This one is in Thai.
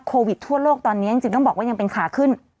โควิดทั่วโลกตอนนี้จริงต้องบอกว่ายังเป็นขาขึ้น